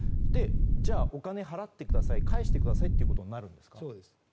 じゃあ、お金払ってください返してくださいってことになるんですか。